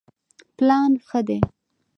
پلان ښه دی.